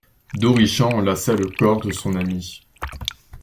D'Orichamps enlaça le corps de son ami.